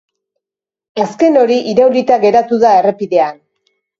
Azken hori iraulita geratu da errepidean.